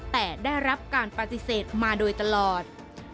แต่ได้รับการปฏิเสธมาโดยตลอด